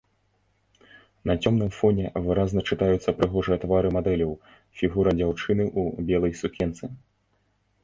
На цёмным фоне выразна чытаюцца прыгожыя твары мадэляў, фігура дзяўчыны ў белай сукенцы.